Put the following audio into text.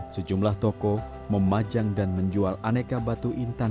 sejumlah toko memajang dan menjual aneka batu intan